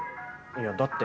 いやだって。